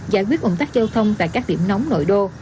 giải quyết ủng tắc giao thông tại các điểm nóng nội đô